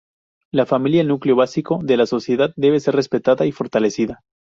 La familia, núcleo básico de la sociedad, debe ser respetada y fortalecida.